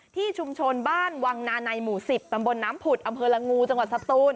ที่ชุมชนบ้านวังนาในหมู่๑๐ตำบลน้ำผุดอำเภอละงูจังหวัดสตูน